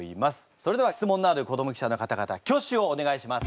それでは質問のある子ども記者の方々挙手をお願いします。